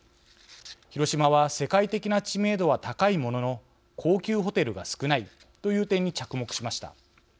広島は世界的な知名度は高いものの高級ホテルが少ないという点に着目しました。